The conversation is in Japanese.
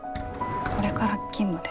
これから勤務で。